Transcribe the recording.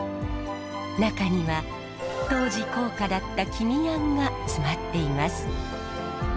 中には当時高価だった黄身あんが詰まっています。